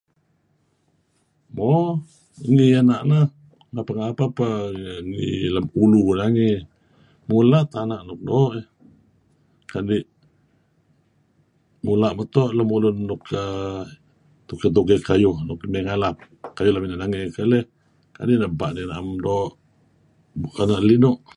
Mo, ngi ena' neh apeh-apeh peh ngi lem ulu nangey mula' tana' nuk doo' eh kadi' mula' meto lemulun nuk err towkey-towkey kayuh nuk mey ngalap kayuh lem ineh nangey keleh kadi' neh ebpa' neh na'em doo', tana' linu'.